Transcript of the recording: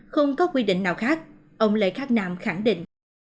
không có quy định nào khác ông lê khắc nam khẳng định